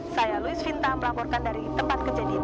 saya louis vinta melaporkan dari tempat kejadian